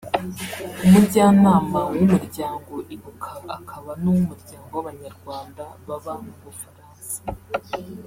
Umujyanama w’Umuryango Ibuka akaba n’uw’umuryango w’Abanyarwanda baba mu Bufaransa